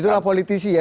itulah politisi ya